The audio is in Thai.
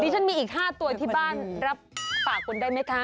ฉันมีอีก๕ตัวที่บ้านรับปากคุณได้ไหมคะ